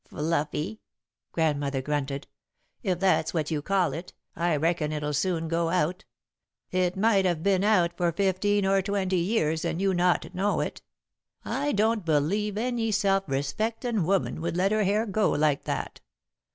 "Fluffy!" Grandmother grunted. "If that's what you call it, I reckon it'll soon go out. It might have been out for fifteen or twenty years and you not know it. I don't believe any self respectin' woman would let her hair go like that.